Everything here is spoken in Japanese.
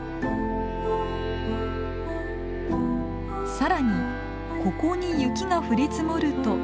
更にここに雪が降り積もると。